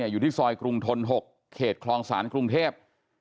อยู่ที่ซอยกรุงทน๖เขตคลองศาลกรุงเทพ